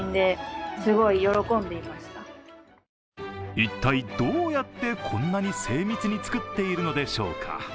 一体、どうやってこんなに精密に作っているのでしょうか？